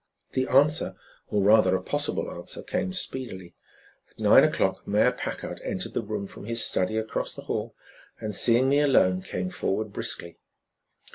The answer, or rather a possible answer, came speedily. At nine o'clock Mayor Packard entered the room from his study across the hall, and, seeing me alone, came forward briskly.